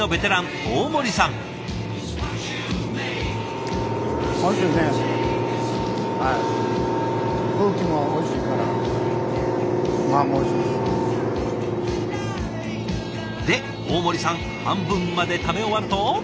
で大森さん半分まで食べ終わると。